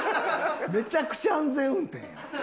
めちゃくちゃ安全運転やん。